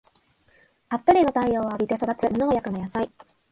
たっぷりの太陽を浴びて育つ無農薬の野菜